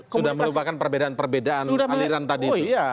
sudah melupakan perbedaan perbedaan aliran tadi itu